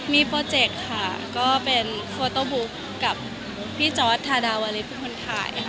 มีโปรเจคค่ะก็เป็นโฟโต้บุ๊กกับพี่จอร์ดทาดาวริสเป็นคนถ่ายค่ะ